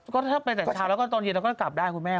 ก็จะไปสักเช้าตอนเย็นเราก็จะกลับได้คุณแม่